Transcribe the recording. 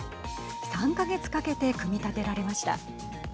３か月かけて組み立てられました。